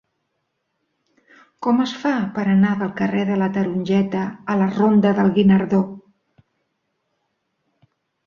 Com es fa per anar del carrer de la Tarongeta a la ronda del Guinardó?